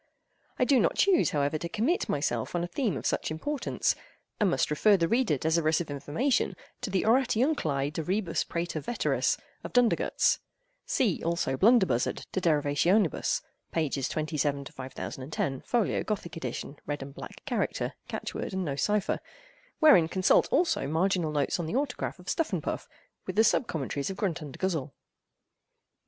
I do not choose, however, to commit myself on a theme of such importance, and must refer the reader desirous of information to the "Oratiunculae de Rebus Praeter Veteris," of Dundergutz. See, also, Blunderbuzzard "De Derivationibus," pp. 27 to 5010, Folio, Gothic edit., Red and Black character, Catch word and No Cypher; wherein consult, also, marginal notes in the autograph of Stuffundpuff, with the Sub Commentaries of Gruntundguzzell.